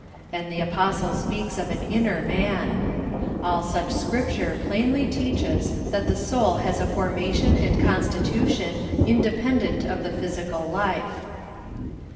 And the Apostle speaks of an " inner man. '' All such Scripture plainl}^ teaches that the soul has a formation ;ind constitution independent of the pli5^sical life.